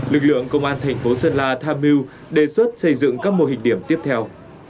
lực lượng công an thành phố sơn la tham mưu đề xuất xây dựng các mô hình điểm tiếp theo